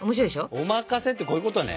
おまかせってこういうことね。